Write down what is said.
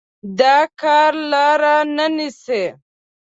دا کار لار نه نيسي.